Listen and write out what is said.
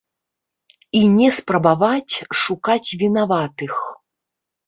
І не спрабаваць шукаць вінаватых.